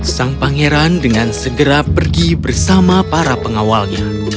sang pangeran dengan segera pergi bersama para pengawalnya